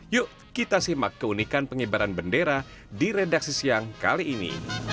yuk kita simak keunikan pengibaran bendera di redaksi siang kali ini